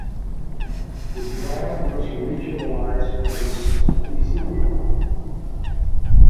The draw was regionalised and seeded.